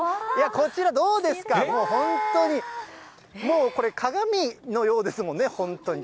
こちら、どうですか、もう本当に、もうこれ、鏡のようですもんね、本当に。